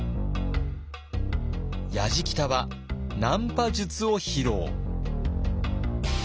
やじきたはナンパ術を披露。